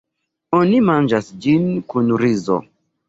Oni manĝas ĝin kun rizo.